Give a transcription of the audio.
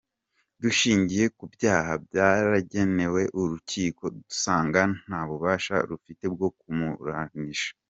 Dushingiye ku byaha byaregewe urukiko dusanga nta bubasha rufite bwo kumuburanisha.